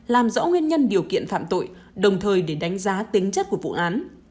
làm rõ nguyên nhân điều kiện phạm tội đồng thời để đánh giá tính chất của vụ án